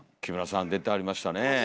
木村さん出てはりましたね。